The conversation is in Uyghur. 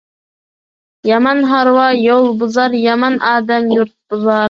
يامان ھارۋا يول بۇزار، يامان ئادەم يۇرت بۇزار.